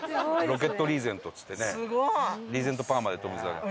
ロケットリーゼントっつってねリーゼントパーマで富澤が。